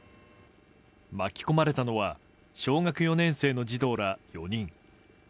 巻き込まれたのは小学４年生の児童ら４人。